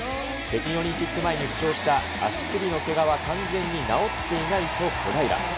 北京オリンピック前に負傷した足首のけがは完全には治っていないと小平。